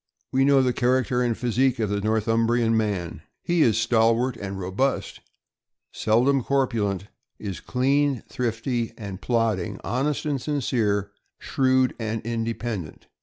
We know the char acter and physique of the Northumbrian man. He is stal wart and robust, seldom corpulent; is clean, thrifty and plodding, honest and sincere, shrewd and independent.